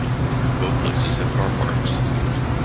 Both places have car parks.